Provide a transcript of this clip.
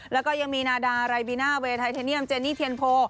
แล้วก็ยังมีนาดาไรบิน่าเวย์ไทเทเนียมเจนี่เทียนโพ